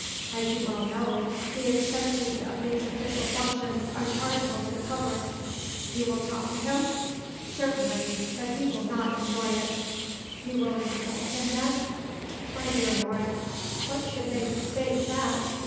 As you well know, the expenses of these official functions are chargeable to the public." "You will talk to him?" "Certainly, but he will not enjoy it." "You will insult him, then?" "My dear Moret, what should make you think that?